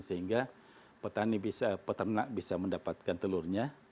sehingga peternak bisa mendapatkan telurnya